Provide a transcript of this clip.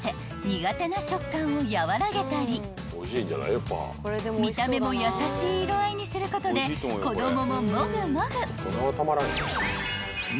苦手な食感を和らげたり見た目も優しい色合いにすることで子供ももぐもぐ！］